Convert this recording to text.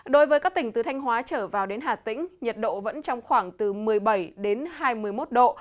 đối với các tỉnh từ thanh hóa trở vào đến hà tĩnh nhiệt độ vẫn trong khoảng từ một mươi bảy đến hai mươi một độ